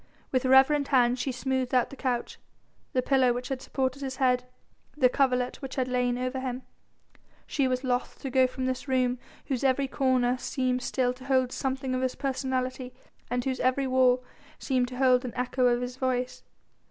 With reverent hands she smoothed out the couch, the pillow which had supported his head, the coverlet which had lain over him. She was loth to go from this room whose every corner seemed still to hold something of his personality and whose every wall seemed to hold an echo of his voice.